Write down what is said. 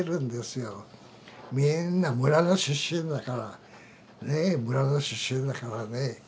みんな村の出身だからねえ村の出身だからね。